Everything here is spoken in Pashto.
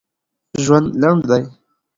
ژوند لنډ دی.